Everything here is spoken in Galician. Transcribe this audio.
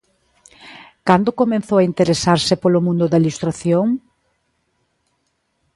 Cando comezou a interesarse polo mundo da ilustración?